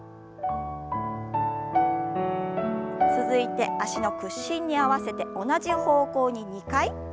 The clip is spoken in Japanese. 続いて脚の屈伸に合わせて同じ方向に２回。